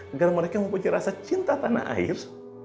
agar mereka mempunyai rasa cinta tanah air